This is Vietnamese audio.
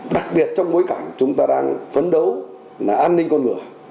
đặc biệt trong mối cảnh chúng ta đang phấn đấu là an ninh con ngựa